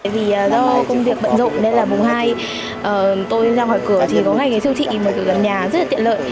vì do công việc bận rộn nên là vùng hai tôi ra ngoài cửa thì có ngay cái siêu thị mở cửa gần nhà rất là tiện lợi